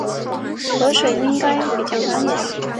河水应该比较干净